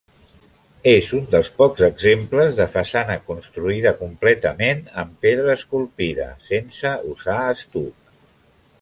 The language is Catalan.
És un dels pocs exemples de façana construïda completament en pedra esculpida, sense usar estuc.